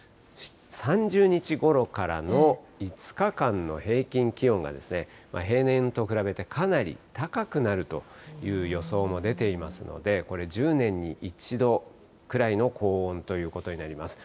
３０日ごろからの５日間の平均気温が、平年と比べてかなり高くなるという予想も出ていますので、これ、１０年に１度くらいの高温ということになります。